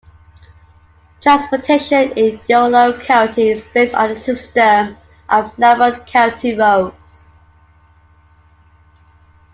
Transportation in Yolo County is based on a system of numbered county roads.